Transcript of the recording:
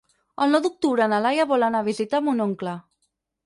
El nou d'octubre na Laia vol anar a visitar mon oncle.